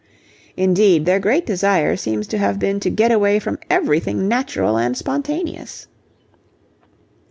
Indeed, their great desire seems to have been to get away from everything natural and spontaneous.